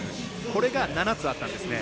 これが７つあったんですね。